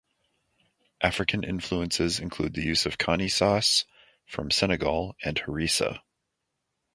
African influences include the use of Kanni sauce from Senegal and harissa.